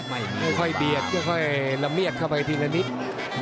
ไม่ค่อยเบียดค่อยละเมียดเข้าไปทีละนิด